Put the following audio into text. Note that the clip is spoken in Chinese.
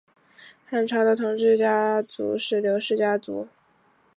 汉朝的统治家族是刘氏家族。